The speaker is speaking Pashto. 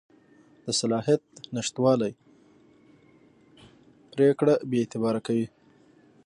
د صلاحیت نشتوالی پرېکړه بېاعتباره کوي.